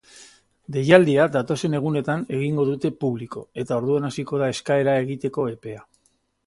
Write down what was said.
Deialdia datozen egunetan egingo dute publiko eta orduan hasiko da eskaera egiteko epea.